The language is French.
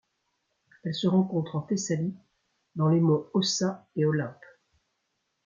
Elle se rencontre en Thessalie dans les monts Ossa et Olympe.